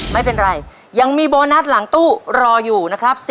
ไม่เป็นไรยังมีโบนัสหลังตู้รออยู่นะครับ